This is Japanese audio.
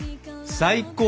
最高！